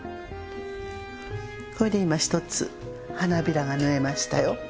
これで今１つ花びらが縫えましたよ。